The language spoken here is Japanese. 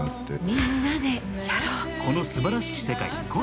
みんなでやろう。